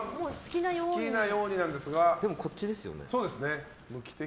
でも、こっちですよね。